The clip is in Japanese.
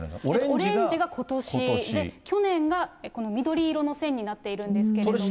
オレンジがことし、去年がこの緑色の線になっているんですけれども。